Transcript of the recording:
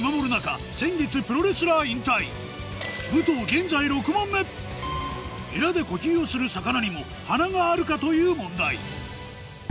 現在６問目エラで呼吸をする魚にも鼻があるかという問題